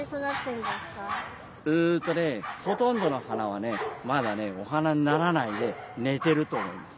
んっとねほとんどのはなはねまだねおはなにならないでねてるとおもいます。